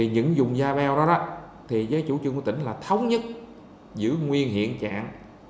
những dùng da beo đó với chủ trương của tỉnh là thống nhất giữa nguyên hiện trạng